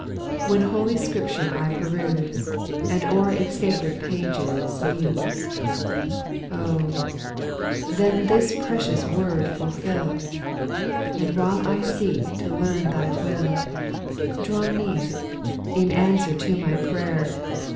2. When Holy Scripture I peruse. And o'er its sacred pages muse. Oh ! then this precious word fulfil ; And while I seek to learn Thy will, Draw near, in answer to my prayer.